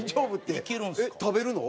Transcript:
食べるの？